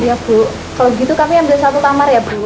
kalau gitu kami ambil satu kamar ya ibu